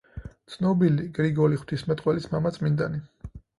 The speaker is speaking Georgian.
ცნობილი გრიგოლი ღვთისმეტყველის მამა, წმინდანი.